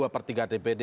dua per tiga dpd